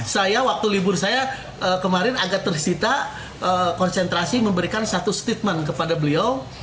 saya waktu libur saya kemarin agak tersita konsentrasi memberikan satu statement kepada beliau